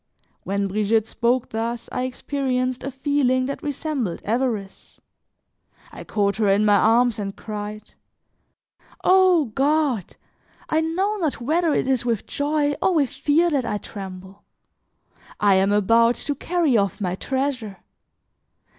When Brigitte spoke thus, I experienced a feeling that resembled avarice; I caught her in my arms and cried: "O God! I know not whether it is with joy or with fear that I tremble. I am about to carry off my treasure.